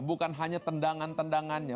bukan hanya tendangan tendangannya